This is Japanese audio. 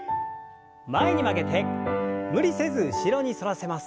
前に曲げて無理せず後ろに反らせます。